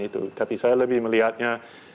itu tapi saya lebih melihatnya